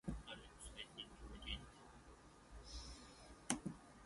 New characters are voiced by Sheena Easton, Adam Wylie, and George Hearn.